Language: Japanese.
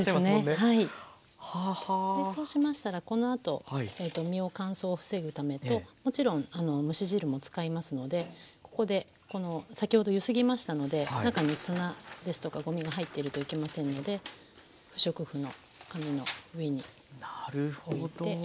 そうしましたらこのあと身を乾燥を防ぐためともちろん蒸し汁も使いますのでここで先ほどゆすぎましたので中に砂ですとかごみが入ってるといけませんので不織布の紙の上に置いて。